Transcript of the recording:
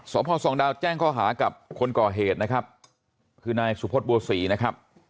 พ่อสองดาวแจ้งข้อหากับคนก่อเหตุนะครับคือนายสุพธบัวศรีนะครับ